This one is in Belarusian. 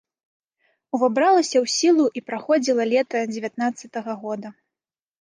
Увабралася ў сілу і праходзіла лета дзевятнаццатага года.